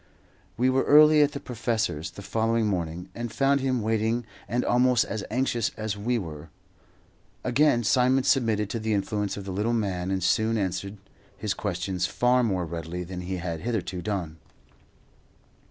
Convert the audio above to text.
We were early at the professor's the following morning, and found him waiting and almost as anxious as we were. Again Simon submitted to the influence of the little man, and soon answered his questions far more readily than he had hitherto done.